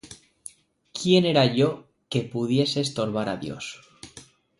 ¿quién era yo que pudiese estorbar á Dios?